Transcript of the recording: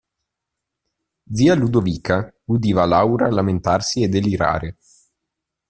Zia Ludovica udiva Laura lamentarsi e delirare.